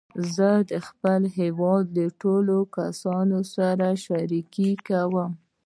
زه خپل هېواد د ټولو کسانو سره شریکوم.